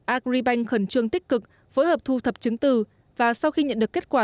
agribank khẩn trương tích cực phối hợp thu thập chứng từ và sau khi nhận được kết quả